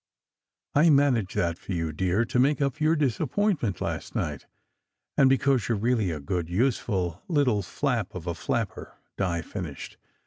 " I managed that for you, dear, to make up for your dis appointment last night, and because you re really a good, useful little flap of a flapper," Di finished.